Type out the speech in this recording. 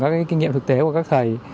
các kinh nghiệm thực tế của các thầy